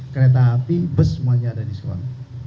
kereta api bus semuanya ada diskon